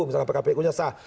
misalnya pkpu nyasar